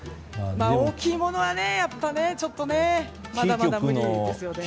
大きいものはちょっとねまだまだ無理ですよね。